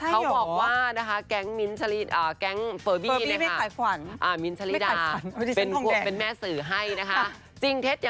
หรือว่าเราไม่ได้รู้จักกับพี่ส่งการในการส่งตัว